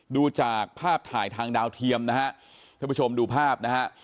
ดูจากภาพถ่ายทางดาวเทียมนะฮะท่านผู้ชมดูภาพนะฮะ